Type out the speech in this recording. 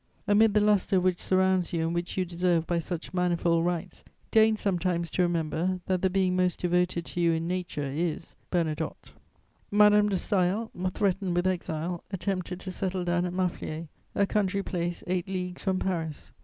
"Amid the lustre which surrounds you and which you deserve by such manifold rights, deign sometimes to remember that the being most devoted to you in nature is "BERNADOTTE." [Sidenote: Madame de Staël's exil.] Madame de Staël, threatened with exile, attempted to settle down at Maffliers, a country place eight leagues from Paris.